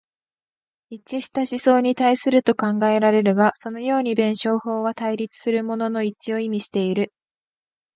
一致した思想に達すると考えられるが、そのように弁証法は対立するものの一致を意味している。